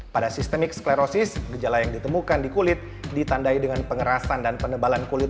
pada sistemik sclerosis gejala yang ditemukan di kulit ditandai dengan pengerasan dan penebalan kulit